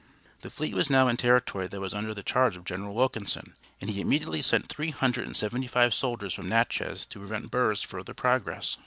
The fleet was now in territory that was under the charge of General Wilkinson, and he immediately sent three hundred and seventy five soldiers from Natchez to prevent Burr's further progress.